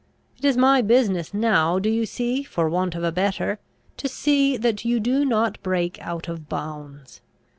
It is my business now, do you see, for want of a better, to see that you do not break out of bounds.